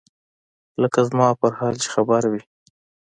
لکه زما پر حال چې خبر وي.